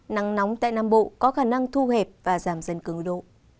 nắng nóng tại nam bộ có khả năng thu hẹp và giảm dần cứ độ